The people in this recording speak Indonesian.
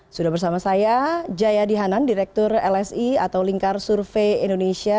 sudah bersama saya jayadi hanan direktur lsi atau lingkar survei indonesia